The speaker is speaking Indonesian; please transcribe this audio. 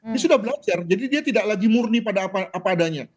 dia sudah belajar jadi dia tidak lagi murni pada apa adanya